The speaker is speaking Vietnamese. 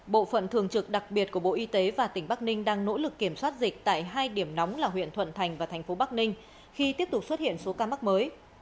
bộ phận thường trực đặc biệt của bộ y tế và tỉnh bắc ninh đang nỗ lực kiểm soát dịch tại hai điểm nóng là huyện thuận thành và thành phố bắc ninh khi tiếp tục xuất hiện số ca mắc mới